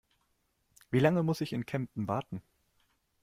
Wie lange muss ich in Kempten warten?